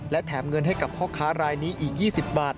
และแถมเงินให้กับพ่อค้ารายนี้อีก๒๐บาท